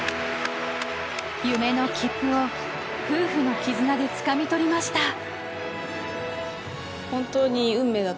夢の切符を夫婦の絆でつかみ取りました。